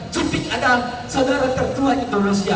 cipik adalah saudara ketua indonesia